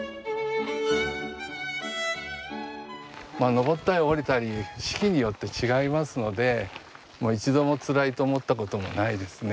登ったり下りたり四季によって違いますので一度もつらいと思ったこともないですね。